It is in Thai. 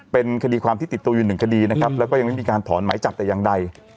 เป็นคดีความที่ติดตัวอยู่หนึ่งคดีนะครับแล้วก็ยังไม่มีการถอนหมายจับแต่อย่างใด